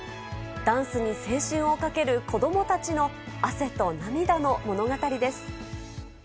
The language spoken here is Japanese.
ダンスに青春をかける子どもたちの汗と涙の物語です。